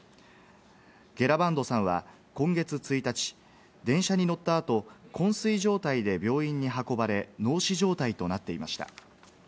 ゲラバンドさんは今月１日、電車に乗った後、昏睡状態で病院に運ばれ、脳死状態となっていました。